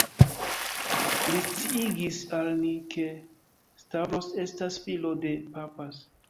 Li sciigis al ni, ke Stavros estas filo de «_papas_».